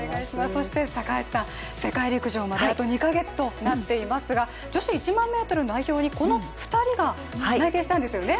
そして、高橋さん、世界陸上まであと２カ月となっていますが女子１００００ｍ代表にこの２人が決定したんですね。